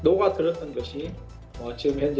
dan saya juga bisa memperbaiki kemahiran saya